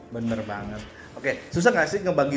bener banget oke susah nggak sih ngebagi